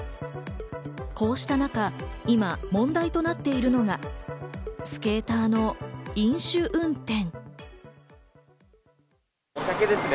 こうした中、今問題となっているのが、スケーターの飲酒運転。